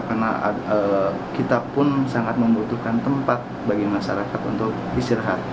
karena kita pun sangat membutuhkan tempat bagi masyarakat untuk istirahat